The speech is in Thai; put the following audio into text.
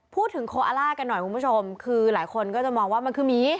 โคอาล่ากันหน่อยคุณผู้ชมคือหลายคนก็จะมองว่ามันคือหมี